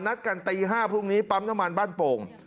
นัดกันตี๕พรุ่งนี้ปั๊มน้ำมันบ้านโป่ง